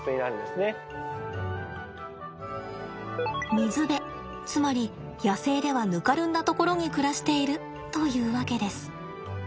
水辺つまり野生ではぬかるんだところに暮らしているというわけです。